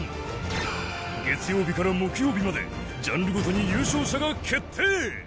月曜日から木曜日までジャンルごとに優勝者が決定